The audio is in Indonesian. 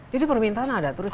jadi permintaan ada terus